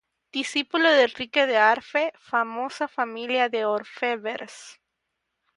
Discípulo de Enrique de Arfe, famosa familia de orfebres.